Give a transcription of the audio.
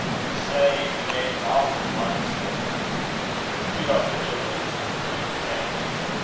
They say ye made an awfu' munsie o' him. But it's to be houpit he'll live to thank ye.